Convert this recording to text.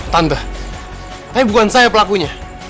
tanda tapi bukan saya pelakunya